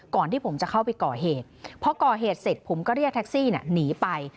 ก่อนที่ผมจะเข้าไปก่อเหตุพอก่อเหตุเสร็จผมก็เรียกแท็กซี่หนีไป